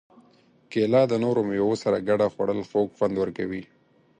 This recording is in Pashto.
کېله د نورو مېوو سره ګډه خوړل خوږ خوند ورکوي.